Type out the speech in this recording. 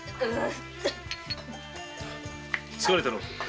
疲れたろう。